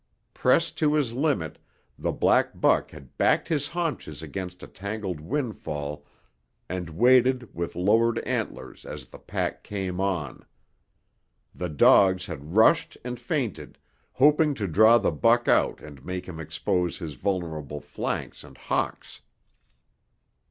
Pressed to his limit, the black buck had backed his haunches against a tangled windfall and waited with lowered antlers as the pack came on. The dogs had rushed and feinted, hoping to draw the buck out and make him expose his vulnerable flanks and hocks.